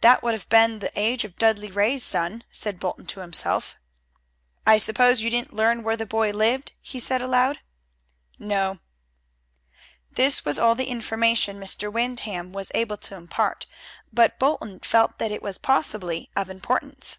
"That would have been the age of Dudley Ray's son," said Bolton to himself. "I suppose you didn't learn where the boy lived?" "No." This was all the information Mr. Windham was able to impart, but Bolton felt that it was possibly of importance.